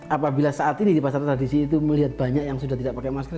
apabila saat ini di pasar tradisi itu melihat banyak yang sudah tidak pakai masker